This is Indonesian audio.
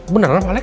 beneran pak alex